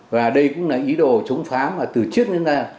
và đây cũng là ý đồ chống phá mà từ trước đến nay